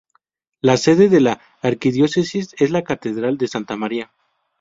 La sede de la Arquidiócesis es la Catedral de Santa María.